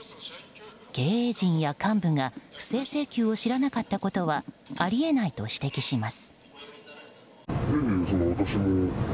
経営陣や幹部が不正請求を知らなかったことはあり得ないと指摘します。